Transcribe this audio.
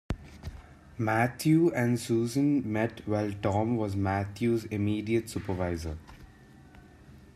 Matthew and Susan met while Tom was Matthew's immediate supervisor.